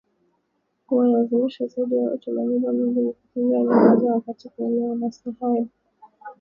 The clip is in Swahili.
kuwalazimisha zaidi ya watu milioni mbili kukimbia nyumba zao katika eneo la Sahel